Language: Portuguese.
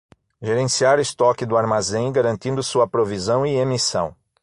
Gerenciar estoque do armazém, garantindo sua provisão e emissão.